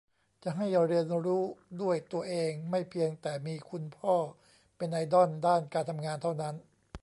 จะให้เรียนรู้ด้วยตัวเอง ไม่เพียงแต่มีคุณพ่อเป็นไอดอลด้านการทำงานเท่านั้น